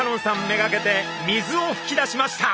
目がけて水をふき出しました。